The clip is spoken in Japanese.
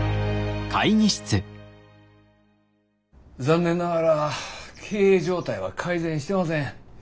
残念ながら経営状態は改善してません。